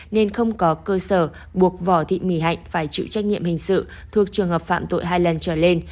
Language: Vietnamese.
nên không có cơ sở buộc võ thị mỹ hạnh phải chịu trách nhiệm hình sự thuộc trường hợp phạm tội hai lần trở lên